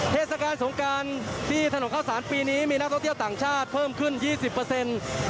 เทศกาลสงการที่ทะโน่นเข้าสานปีนี้มีนักท่อเที่ยวต่างชาติเพิ่มขึ้น๒๐